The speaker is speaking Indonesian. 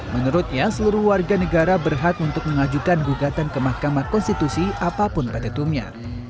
menurutnya seluruh warga negara berhak untuk mengajukan gugatan ke mahkamah konstitusi apapun pt tumnya